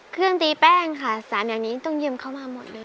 เครื่องตีแป้งค่ะสารอย่างนี้ต้องยืมเข้ามาหมดเลย